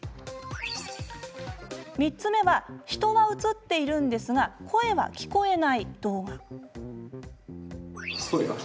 ３つ目が、人は映っていますが声は聞こえない動画。